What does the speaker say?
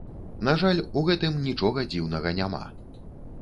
На жаль, у гэтым нічога дзіўнага няма.